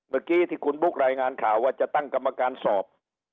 เมื่อกี้ที่คุณบุ๊ครายงานข่าวว่าจะตั้งกรรมการสอบ